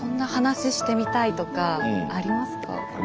ありますか？